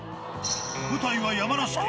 舞台は山梨県。